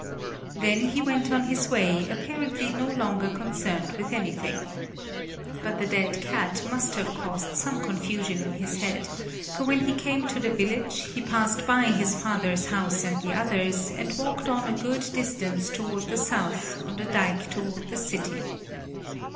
Then he went on his way, apparently no longer concerned with anything. But the dead cat must have caused some confusion in his head, for when he came to the village, he passed by his father's house and the others and walked on a good distance toward the south on the dike toward the city.